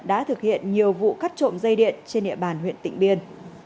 đã thực hiện nhiều vụ cắt trộm dây điện trên địa bàn huyện tịnh biên